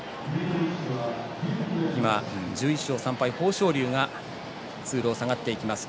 １１勝３敗、豊昇龍が通路を下がっていきました。